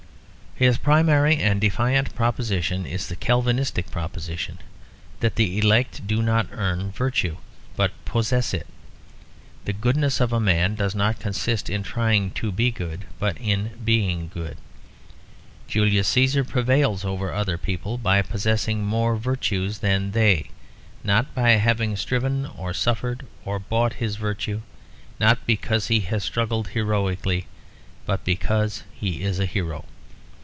His primary and defiant proposition is the Calvinistic proposition: that the elect do not earn virtue, but possess it. The goodness of a man does not consist in trying to be good, but in being good. Julius Cæsar prevails over other people by possessing more virtus than they; not by having striven or suffered or bought his virtue; not because he has struggled heroically, but because he is a hero.